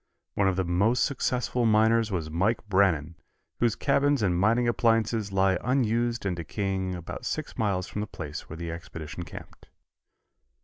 One of the most successful miners was Mike Brannan, whose cabins and mining appliances lie unused and decaying about six miles from the place where the expedition camped.